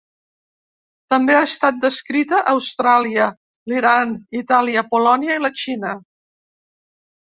També ha estat descrita a Austràlia, l'Iran, Itàlia, Polònia i la Xina.